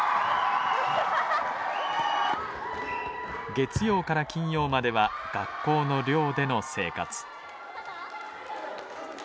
月曜から金曜までは学校の寮での生活。